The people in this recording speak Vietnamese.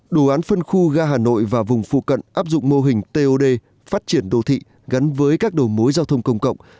đồ án phân khu ga hà nội và vùng phụ cận áp dụng mô hình tod phát triển đô thị gắn với các đồ mối giao thông công cộng